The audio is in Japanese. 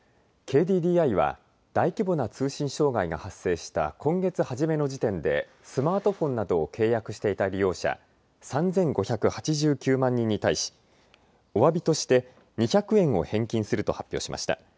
ＫＤＤＩは大規模な通信障害が発生した今月初めの時点でスマートフォンなどを契約していた利用者３５８９万人に対しおわびとして２００円を返金すると発表しました。